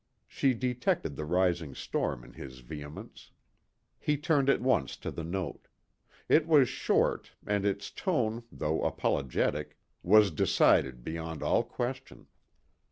She detected the rising storm in his vehemence. He turned at once to the note. It was short, and its tone, though apologetic, was decided beyond all question.